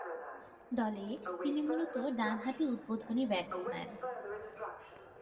দলে তিনি মূলতঃ ডানহাতি উদ্বোধনী ব্যাটসম্যান।